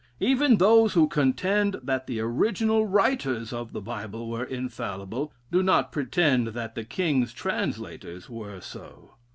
Even those who contend that the original writers of the Bible were infallible, do not pretend that the king's translators were so.